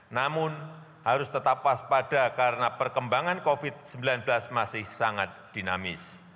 namun harus tetap waspada karena perkembangan covid sembilan belas masih sangat dinamis